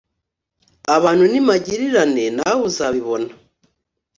abantu ni magirirane nawe uzabibona